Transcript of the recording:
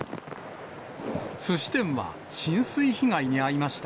すし店は浸水被害に遭いました。